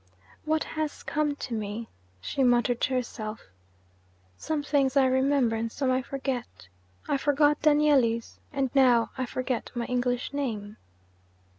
'What has come to me?' she muttered to herself. 'Some things I remember; and some I forget. I forgot Danieli's and now I forget my English name.'